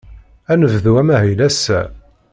Ad nebdu amahil ass-a.